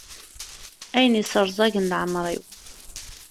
Ayen yesserẓagen leɛmeṛ-iw.